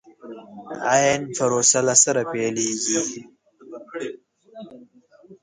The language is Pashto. عين پروسه له سره پيلېږي.